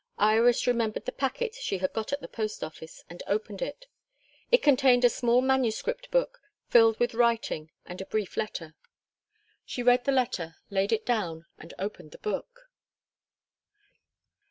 Iris remembered the packet she had got at the post office, and opened it. It contained a small manuscript book filled with writing and a brief letter. She read the letter, laid it down, and opened the book.